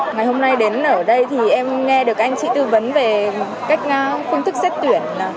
ngày hôm nay đến ở đây thì em nghe được các anh chị tư vấn về cách phương thức xét tuyển